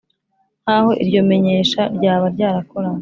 nk aho iryo menyesha ryaba ryarakoranywe